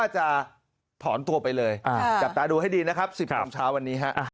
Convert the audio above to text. จับตาดูให้ดีนะครับ๑๐ตอนเช้าวันนี้